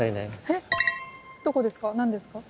えっどこですか？